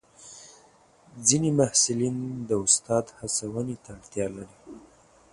ځینې محصلین د استاد هڅونې ته اړتیا لري.